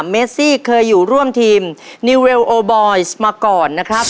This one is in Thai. เมซี่เคยอยู่ร่วมทีมนิวเรลโอบอยซ์มาก่อนนะครับ